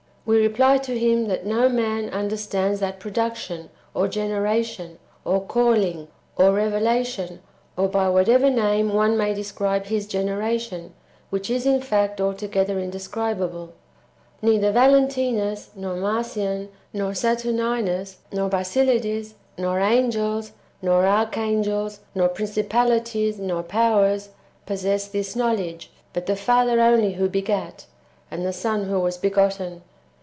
we reply to him, that no one under stands that production, or generation, or calling, or revelation, or by whatever name one may describe His generation, which is in fact altogether indescribable. Neither Valentinus, nor Marcion, nor Saturninus, nor Basilides, nor angels, nor arch angels, nor princij^alities, nor powers [possess this knowledge], but the Father only who begat, and the Son who was be gotten.